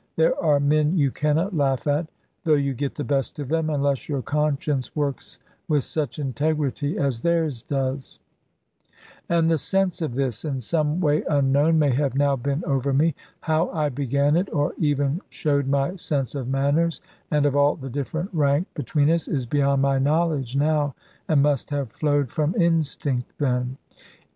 There are men you cannot laugh at, though you get the best of them, unless your conscience works with such integrity as theirs does. And the sense of this, in some way unknown, may have now been over me. How I began it, or even showed my sense of manners, and of all the different rank between us, is beyond my knowledge now; and must have flowed from instinct then.